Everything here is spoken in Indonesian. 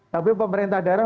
tapi pemerintah daerah